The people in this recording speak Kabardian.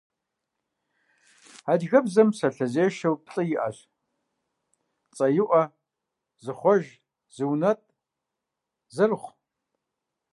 Адыгэбзэм псалъэзешэу плӏы иӏэщ: цӏэиӏуэ, зыхъуэж, зыунэтӏ, зэрыхъу.